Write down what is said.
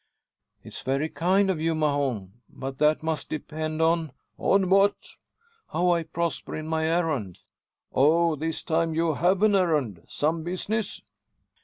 "It's very kind of you, Mahon; but that must depend on " "On what?" "How I prosper in my errand." "Oh! this time you have an errand? Some business?"